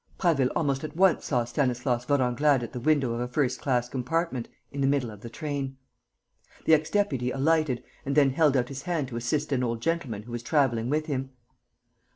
Prasville almost at once saw Stanislas Vorenglade at the window of a first class compartment, in the middle of the train. The ex deputy alighted and then held out his hand to assist an old gentleman who was travelling with him.